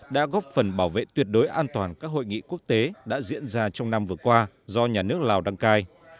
đã góp phần bảo vệ tuyệt đối an toàn các hội nghị quốc tế đã diễn ra trong năm vừa qua do nhà nước lào đăng cai